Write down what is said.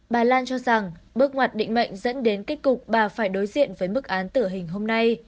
bà lan cho rằng bước ngoặt định mệnh dẫn đến kết cục bà phải đối diện với mức án tử hình hôm nay